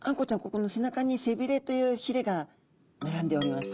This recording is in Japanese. ここの背中に背びれというひれが並んでおります。